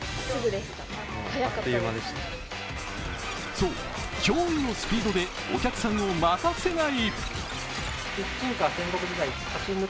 そう、驚異のスピードでお客さんを待たせない。